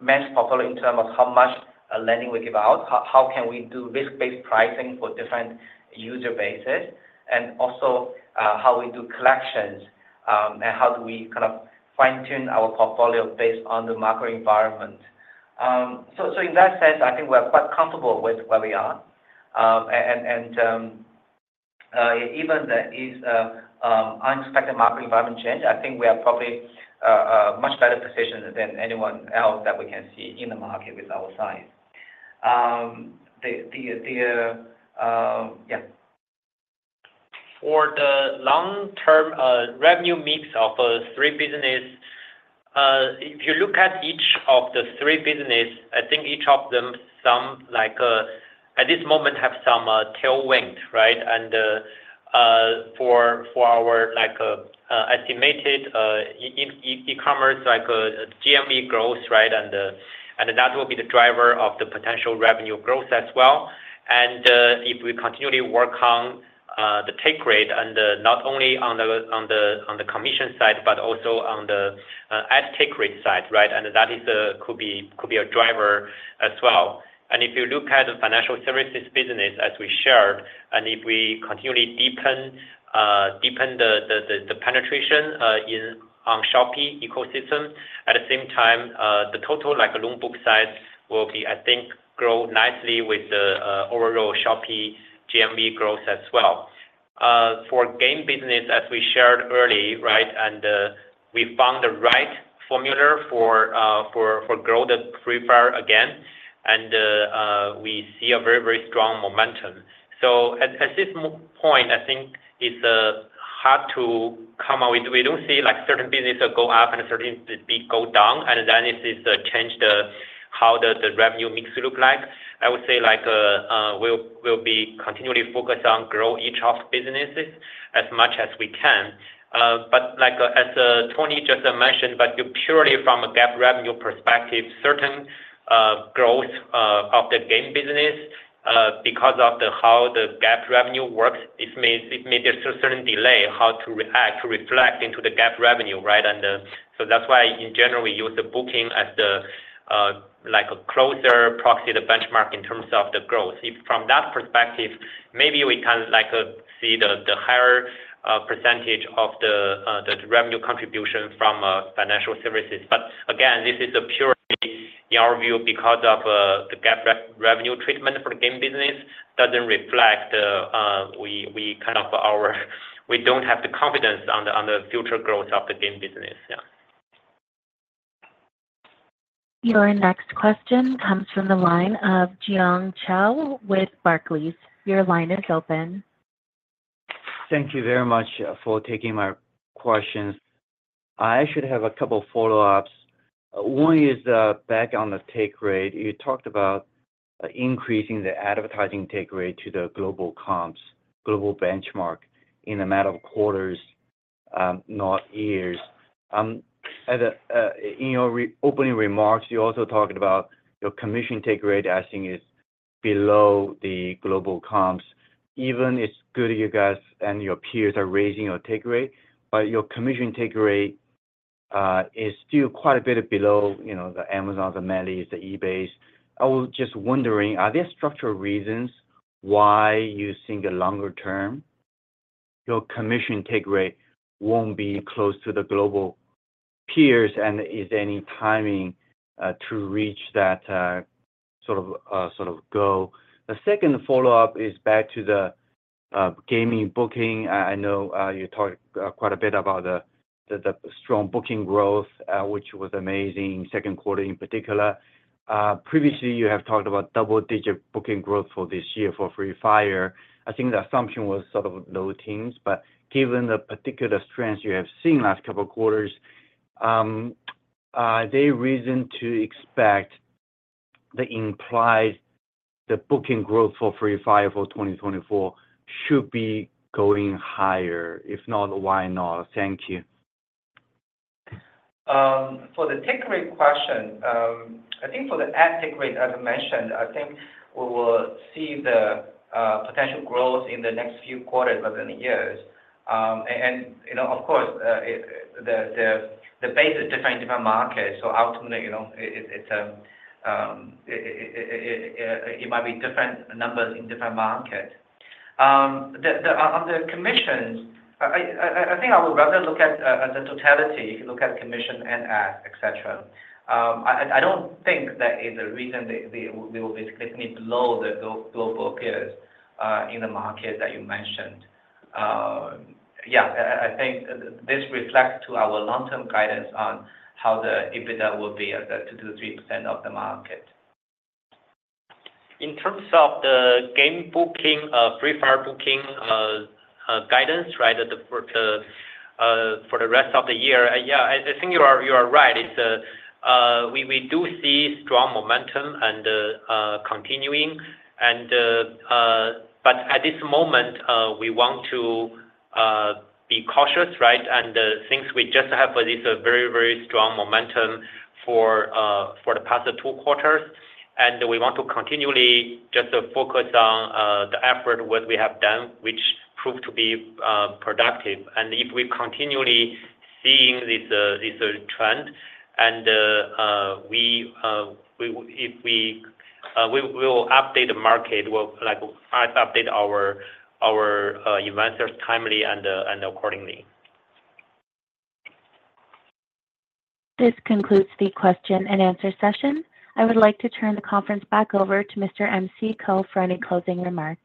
Manage portfolio in terms of how much lending we give out, how can we do risk-based pricing for different user bases, and also how we do collections, and how do we kind of fine-tune our portfolio based on the macro environment. So in that sense, I think we are quite comfortable with where we are. And even there is an unexpected market environment change, I think we are probably much better positioned than anyone else that we can see in the market with our size. Yeah. For the long-term revenue mix of those three businesses, if you look at each of the three businesses, I think each of them, some like at this moment, have some tailwind, right? For our estimated e-commerce GMV growth, right? And that will be the driver of the potential revenue growth as well. And if we continually work on the take rate and not only on the commission side, but also on the ad take rate side, right? And that could be a driver as well. And if you look at the financial services business, as we shared, and if we continually deepen the penetration in the Shopee ecosystem, at the same time, the total, like, loan book size will be, I think, grow nicely with the overall Shopee GMV growth as well. For game business, as we shared early, right, and we found the right formula for growth that Free Fire again, and we see a very, very strong momentum. So at this point, I think it's hard to come up with... We don't see, like, certain business go up and certain bit go down, and then this is change the how the revenue mix look like. I would say like, we'll be continually focused on grow each of businesses as much as we can. But like, as Tony just mentioned, but purely from a GAAP revenue perspective, certain growth of the game business because of the how the GAAP revenue works, it may be a certain delay how to react to reflect into the GAAP revenue, right? So that's why in general, we use the booking as like a closer proxy to benchmark in terms of the growth. If from that perspective, maybe we can like see the higher percentage of the revenue contribution from financial services. But again, this is a purely in our view, because of the GAAP revenue treatment for the game business, doesn't reflect we don't have the confidence on the future growth of the game business. Yeah. Your next question comes from the line of Jiong Shao with Barclays. Your line is open. Thank you very much for taking my questions. I actually have a couple follow-ups. One is back on the take rate. You talked about increasing the advertising take rate to the global comps, global benchmark in a matter of quarters, not years. In your reopening remarks, you also talked about your commission take rate, I think, is below the global comps. Even it's good you guys and your peers are raising your take rate, but your commission take rate is still quite a bit below, you know, the Amazons, the MELIs, the eBays. I was just wondering, are there structural reasons why you think the longer term your commission take rate won't be close to the global peers? And is there any timing to reach that sort of, sort of goal? The second follow-up is back to the gaming booking. I know you talked quite a bit about the strong booking growth, which was amazing, second quarter in particular. Previously you have talked about double-digit booking growth for this year for Free Fire. I think the assumption was sort of low teens, but given the particular trends you have seen last couple quarters, are there reason to expect the implied booking growth for Free Fire for 2024 should be going higher? If not, why not? Thank you. For the take rate question, I think for the ad take rate, as I mentioned, I think we will see the potential growth in the next few quarters within years. And you know, of course, the base is different in different markets. So ultimately, you know, it might be different numbers in different markets. On the commissions, I think I would rather look at the totality, look at commission and ad, et cetera. I don't think that is a reason they will be significantly below the global peers in the market that you mentioned. Yeah, I think this reflects to our long-term guidance on how the EBITDA will be at the 2%-3% of the market. In terms of the game booking, Free Fire booking, guidance, right, for the rest of the year, yeah, I think you are right. It's we do see strong momentum and continuing. But at this moment, we want to be cautious, right? And since we just have this very, very strong momentum for the past two quarters, and we want to continually just focus on the effort, what we have done, which proved to be productive. And if we're continually seeing this trend and we will update the market, we'll like update our investors timely and accordingly. This concludes the question and answer session. I would like to turn the conference back over to Mr. M.C. Koh for any closing remarks.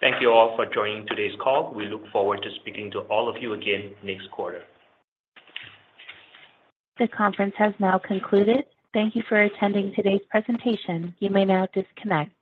Thank you all for joining today's call. We look forward to speaking to all of you again next quarter. The conference has now concluded. Thank you for attending today's presentation. You may now disconnect.